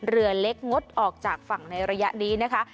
เรือเล็กงดออกจากฝั่งในระยะนี้นะคะ